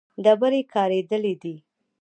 ډبرې کارېدلې دي.